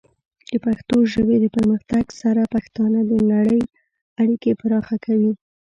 د پښتو ژبې د پرمختګ سره، پښتانه د نړۍ سره اړیکې پراخه کوي.